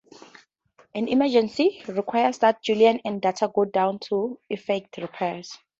An emergency requires that Juliana and Data go down to effect repairs.